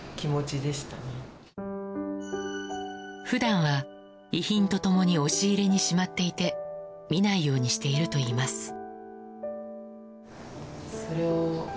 普段は遺品と共に押し入れにしまっていて見ないようにしているといいます。